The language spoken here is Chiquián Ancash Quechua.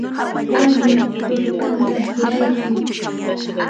Warmim ruripanta hiraykan.